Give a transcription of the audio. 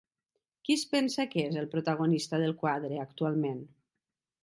Qui es pensa que és el protagonista del quadre actualment?